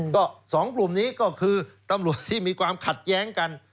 ก็สองกลุ่มนี้ก็คือตำรวจที่มีความขัดแย้งกัน